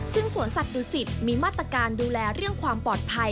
ซึ่งสวนสัตว์ดุสิตมีมาตรการดูแลเรื่องความปลอดภัย